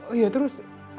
oh iya terus